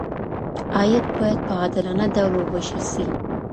عاید باید په عادلانه ډول ووېشل سي.